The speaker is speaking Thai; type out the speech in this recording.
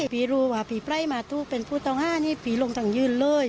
ฟรีรู้ว่าปีไกรมาทู้เป็นพูด๑๙๕๙นด์พี่ลงทางยื่นเลย